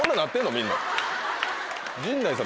みんな。